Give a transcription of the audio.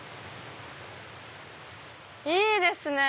いいですね！